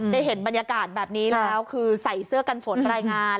ได้เห็นบรรยากาศแบบนี้แล้วคือใส่เสื้อกันฝนรายงาน